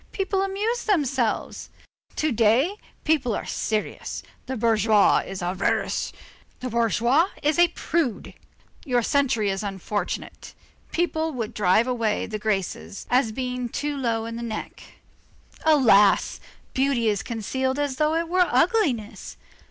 people amused themselves. To day, people are serious. The bourgeois is avaricious, the bourgeoise is a prude; your century is unfortunate. People would drive away the Graces as being too low in the neck. Alas! beauty is concealed as though it were ugliness.